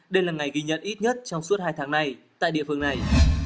đây là ngày ghi nhận ít nhất trong suốt hai tháng này tại địa phương này